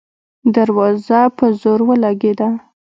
دروازه په زور ولګېده.